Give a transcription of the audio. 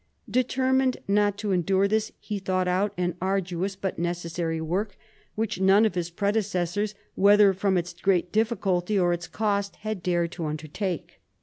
Determined not to endure this, he thought out an arduous but necessary work, which none of his predecessors, whether from its great difficulty or its cost, had dared to undertake.